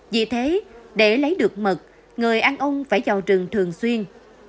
vì thế để lấy được mật người ăn ông phải vào rừng thường xuyên